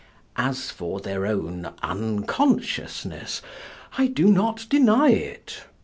As for their own unconsciousness I do not deny it.